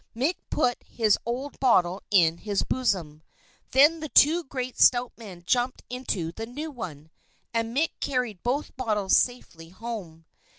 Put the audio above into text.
Mick put his old bottle in his bosom. Then the two great, stout men jumped into the new one, and Mick carried both bottles safely home.